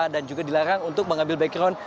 dan juga dilarang untuk mengambil background